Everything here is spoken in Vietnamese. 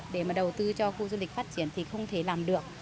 để mà đầu tư cho khu du lịch phát triển thì không thể làm được